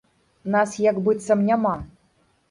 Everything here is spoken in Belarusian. Нас як быццам няма.